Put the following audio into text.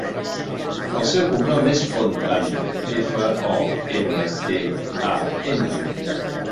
El seu cognom és Fontan: efa, o, ena, te, a, ena.